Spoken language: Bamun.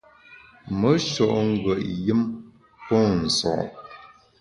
Me sho’ ngùet yùm pô nso’.